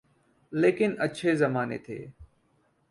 لیکن اچھے زمانے تھے۔